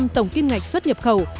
ba mươi tổng kim ngạch xuất nhập khẩu